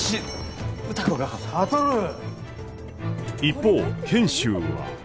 一方賢秀は。